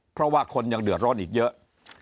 เพราะว่าคนยังเดือดร้อนอีกเยอะ